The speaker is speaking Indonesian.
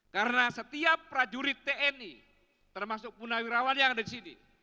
karena setiap prajurit tni termasuk punah wirawan yang ada disini